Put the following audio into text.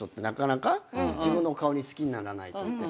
自分の顔好きにならないとって。